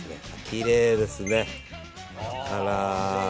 きれいですね。